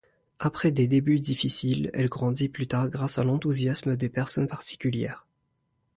Après des débuts difficiles, elle grandit plus tard grâce à l’enthousiasme des personnes particulières.